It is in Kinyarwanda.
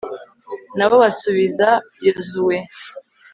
na bo basubiza yozuwe